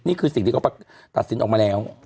นี่คือสิ่งที่เขาตัดสินออกมาแล้ว